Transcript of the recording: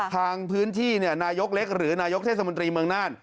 ทางพื้นที่นายกเล็กหรือนายกเทศมนตรีเมืองน่าน